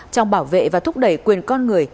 trong bảo vệ và thúc đẩy quyền con người